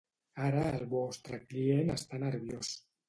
Ara el vostre client està nerviós.